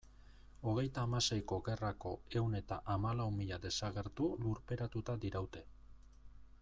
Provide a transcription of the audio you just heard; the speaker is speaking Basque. Hogeita hamaseiko gerrako ehun eta hamalau mila desagertu lurperatuta diraute.